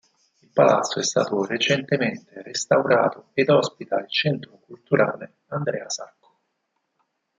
Il palazzo è stato recentemente restaurato ed ospita il Centro Culturale "Andrea Sacco".